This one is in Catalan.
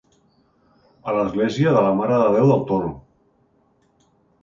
A l'església de la Mare de Déu del Toro.